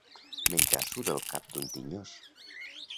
Menjar-s'ho del cap d'un tinyós.